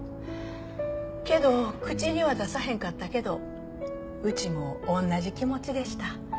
けど口には出さへんかったけどうちもおんなじ気持ちでした。